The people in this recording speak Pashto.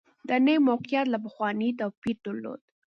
دا نوي موقعیت له پخواني توپیر درلود